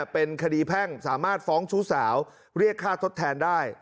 เป็นคดีแพ่งสามารถฟ้องชู้สาวเรียกค่าทดแทนได้